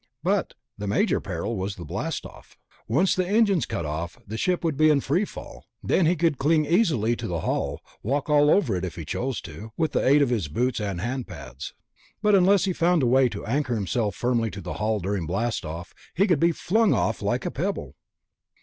But the major peril was the blastoff. Once the engines cut off, the ship would be in free fall. Then he could cling easily to the hull, walk all over it if he chose to, with the aid of his boots and hand pads. But unless he found a way to anchor himself firmly to the hull during blastoff, he could be flung off like a pebble.